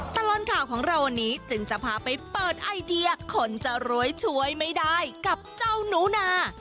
ตลอดข่าวของเราวันนี้จึงจะพาไปเปิดไอเดียคนจะรวยช่วยไม่ได้กับเจ้าหนูนา